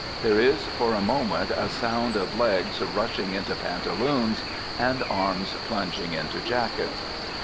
There is for a moment a sound of legs rushing into pantaloons and arms plunging into jackets.